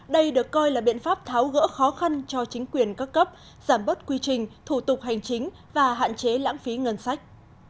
đây được coi là biện pháp tháo gỡ khó khăn cho chính quyền các cấp giảm bớt quy trình thủ tục hành chính và hạn chế lãng phí ngân sách